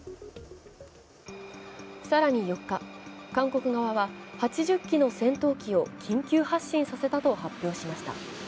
更に４日、韓国側は８０機の戦闘機を緊急発進させたと発表しました。